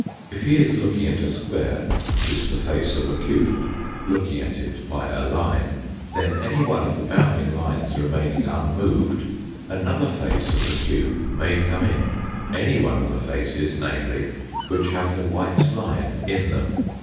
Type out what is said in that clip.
If he is looking at a square, which is the face of a cube (looking at it by a line), then any one of the bounding lines remaining unmoved, another face of the cube may come in. any one of the faces, namely, which have the white line in them.